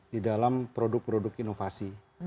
di dalam produk produk inovasi